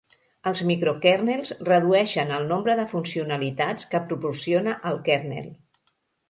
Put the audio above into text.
Els microkernels redueixen el nombre de funcionalitats que proporciona el kernel.